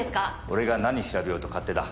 俺が何調べようと勝手だ。